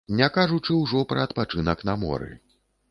Не кажучы ўжо пра адпачынак на моры.